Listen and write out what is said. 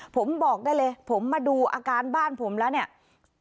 ผมบอกได้เลยผมมาดูอาการบ้านผมแล้วเนี่ย